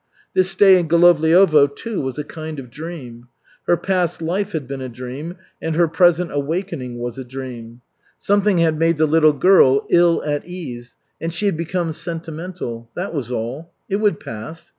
This stay in Golovliovo, too, was a kind of dream. Her past life had been a dream, and her present awakening was a dream. Something had made the little girl ill at ease, and she had become sentimental that was all. It would pass.